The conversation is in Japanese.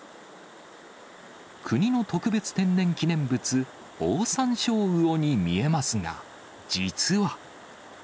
国の特別天然記念物、オオサンショウウオに見えますが、実は。